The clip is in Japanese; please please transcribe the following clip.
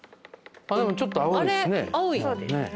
でもちょっと青いですね。